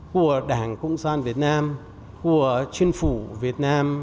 của đảng cộng sản việt nam của chính phủ việt nam